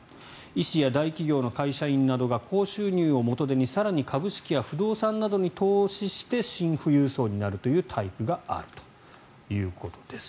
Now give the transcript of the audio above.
医師や大企業の会社員などが高収入を元手に更に株式や不動産などに投資してシン富裕層になるというタイプがあるということです。